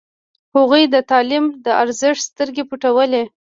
هغوی د تعلیم د ارزښت سترګې پټولې.